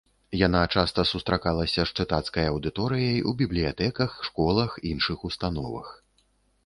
Яна часта сустракалася з чытацкай аўдыторыяй у бібліятэках, школах, іншых установах.